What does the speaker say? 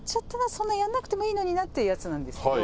そんなやんなくてもいいのになっていうやつなんですけど